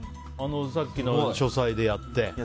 さっきの書斎でやって？